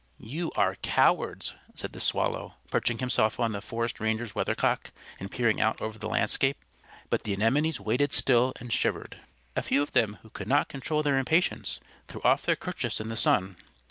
"You are cowards," said the Swallow, perching himself on the forest ranger's weathercock, and peering out over the landscape. But the Anemones waited still and shivered. A few of them who could not control their impatience threw off their kerchiefs in the sun.